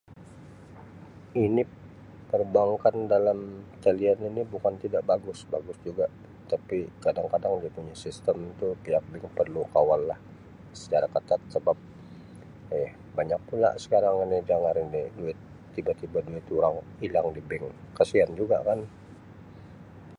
Ini perbankan dalam talian ini bukan tidak bagus bagus juga tapi kadang-kadang dia punya sistem itu [unintelligible] perlu kawal lah secara katat sabab Um banyak pula sekarang ini dangar ini duit tiba-tiba duit orang hilang di bank kasian juga kan.